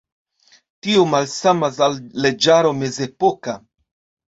Tio malsamas al leĝaro mezepoka.